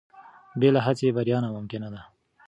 بې له هڅې بریا ناممکنه ده.